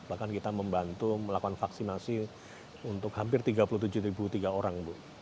bahkan kita membantu melakukan vaksinasi untuk hampir tiga puluh tujuh tiga orang bu